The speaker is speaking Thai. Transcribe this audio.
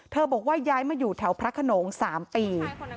บอกว่าย้ายมาอยู่แถวพระขนง๓ปี